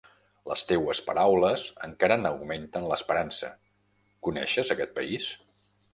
Les teues paraules encara n’augmenten l’esperança. Coneixes aquest país?